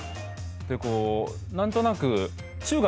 でこう何となく。